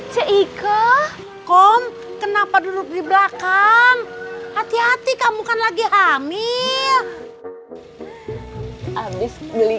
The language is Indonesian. cike kom kenapa duduk di belakang hati hati kamu kan lagi hamil habis beli